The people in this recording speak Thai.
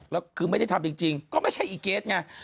แล้วคือไม่ได้ทำจริงก็ไม่ใช่อีเกสไง